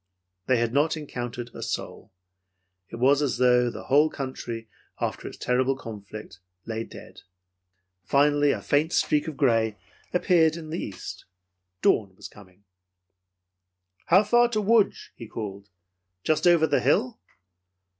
They had not encountered a soul. It was as though the whole country, after its terrible conflict, lay dead. Finally a faint streak of gray appeared in the east. Dawn was coming. "How far to Lodz?" he called. "Just over the hill?"